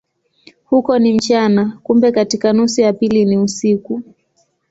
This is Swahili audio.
Huko ni mchana, kumbe katika nusu ya pili ni usiku.